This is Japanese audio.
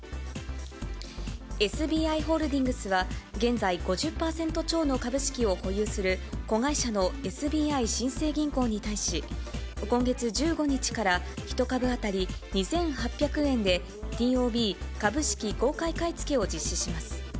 ＳＢＩホールディングスは、現在、５０％超の株式を保有する、子会社のＳＢＩ新生銀行に対し、今月１５日から１株当たり２８００円でＴＯＢ・株式公開買い付けを実施します。